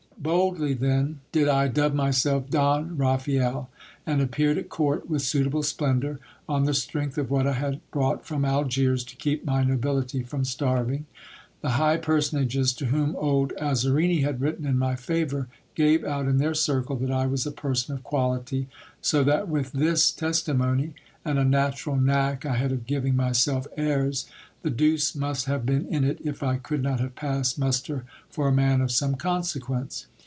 Boldly then did I dub myself Don Raphael ; and appeared at court with suitable splendour, on the strength of what I had brought from Algiers, to keep my nobility from starving. The high personages, to whom old Azarini had written in my favour, gave out in their circle that I was a person of quality ; so that with this testi HISTOR Y OF DON RAPHAEL. 197 mony, and a natural knack I had of giving myself airs, the deuce must have been in it if I could not have passed muster for a man of some consequence.